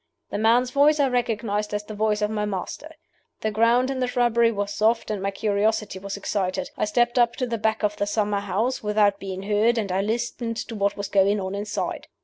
The man's voice I recognized as the voice of my master. The ground in the shrubbery was soft, and my curiosity was excited. I stepped up to the back of the summer house without being heard, and I listened to what was going on inside.